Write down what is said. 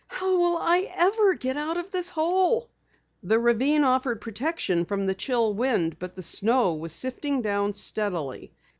"How will I ever get out of this hole?" The ravine offered protection from the chill wind, but the snow was sifting down steadily.